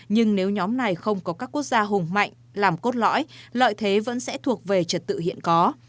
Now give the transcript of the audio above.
nhưng nếu nhóm này không có các quốc gia hùng mạnh làm cốt lõi lợi thế vẫn sẽ thuộc về trật tự hiện có